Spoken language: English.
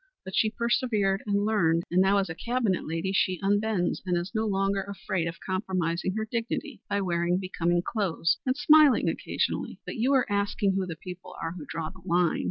But she persevered and learned, and now as a Cabinet lady she unbends, and is no longer afraid of compromising her dignity by wearing becoming clothes and smiling occasionally. But you were asking who the people are who draw the line.